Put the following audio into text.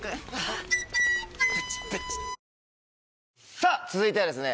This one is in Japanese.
さぁ続いてはですね